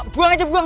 buang aja buang